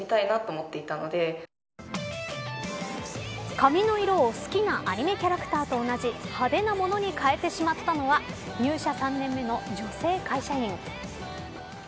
髪の色を好きなアニメキャラクターと同じ派手なものに変えてしまったのは入社３年目の女性会社員。